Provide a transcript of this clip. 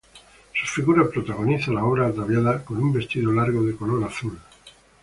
Su figura protagoniza la obra, ataviada con un vestido largo de color azul.